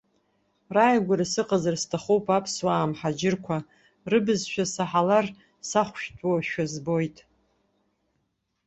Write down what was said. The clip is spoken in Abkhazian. Рааигәара сыҟазар сҭахуп аԥсуаа мҳаџьырқәа, рыбызшәа саҳалар сахәшәтәуашәа збоит.